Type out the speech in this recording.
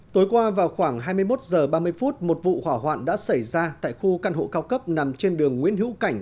tối qua vào khoảng hai mươi một h ba mươi phút một vụ hỏa hoạn đã xảy ra tại khu căn hộ cao cấp nằm trên đường nguyễn hữu cảnh